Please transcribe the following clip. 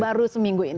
baru seminggu ini